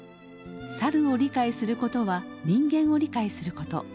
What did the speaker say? サルを理解することは人間を理解すること。